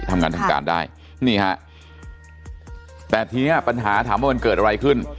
ทำงานทำการได้นี่ฮะแต่ทีเนี้ยปัญหาถามว่ามันเกิดอะไรขึ้น